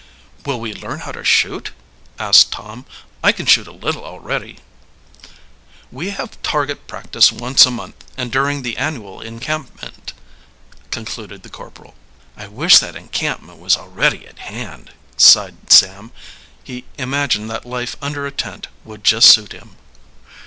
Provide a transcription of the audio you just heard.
"Will we learn how to shoot?" asked Tom. "I can shoot a little already." "We have target practice once a month, and during the annual encampment," concluded the corporal. "I wish that encampment was already at hand!" sighed Sam. He imagined that life under a tent would just suit him.